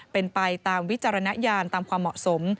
เป็นไปตามวิจารณญาณตามความเหมาะสม